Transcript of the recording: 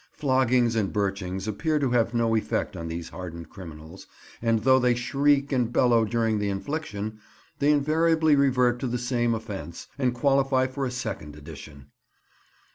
Floggings and birchings appear to have no effect on these hardened criminals, and though they shriek and bellow during the infliction, they invariably revert to the same offence, and qualify for a second edition.